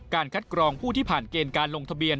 คัดกรองผู้ที่ผ่านเกณฑ์การลงทะเบียน